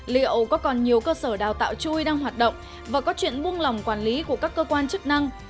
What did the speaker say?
liệu có còn nhiều cơ sở đào tạo chui đang hoạt động và có chuyện buông lỏng quản lý của các cơ quan chức năng